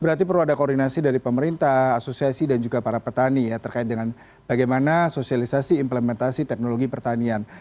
berarti perlu ada koordinasi dari pemerintah asosiasi dan juga para petani ya terkait dengan bagaimana sosialisasi implementasi teknologi pertanian